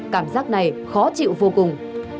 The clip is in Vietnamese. cảm giác này khó chịu vô cùng